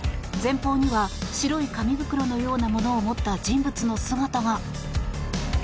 前方には白い紙袋のようなものを持った人物の姿が。